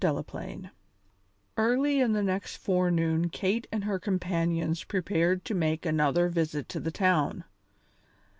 DELAPLAINE Early in the next forenoon Kate and her companions prepared to make another visit to the town.